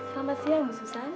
selamat siang susan